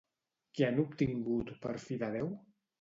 Què han obtingut per fi de Déu?